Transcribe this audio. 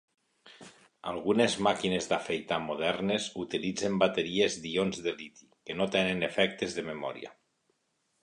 Algunes màquines d'afaitar modernes utilitzen bateries d'ions de liti que no tenen efectes de memòria.